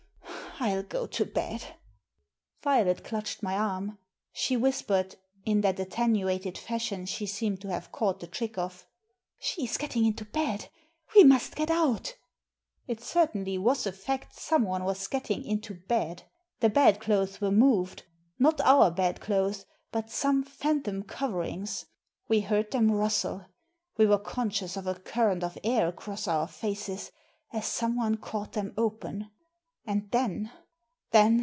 I'll go to \xd" Violet clutched my arm. She whispered, n that attenuated fashion she seemed to have cau(ht the trick of— She's getting into bed. We must get out It certainly was a fact, someone was getting into bed. The bed clothes were moved; not 0ur bed clothes, but some phantom coverings. We heard them rustle, we were conscious of a current of air across our faces as someone caught them open. And then